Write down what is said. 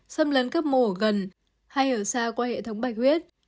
xâm lấn các mổ gần hay ở xa qua hệ thống bạch huyết